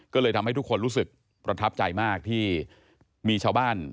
ก็เลยทำให้ทุกคนรู้สึกประทับใจมากที่มีชาวบ้าน